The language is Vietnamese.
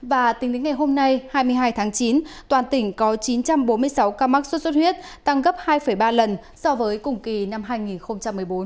và tính đến ngày hôm nay hai mươi hai tháng chín toàn tỉnh có chín trăm bốn mươi sáu ca mắc sốt xuất huyết tăng gấp hai ba lần so với cùng kỳ năm hai nghìn một mươi bốn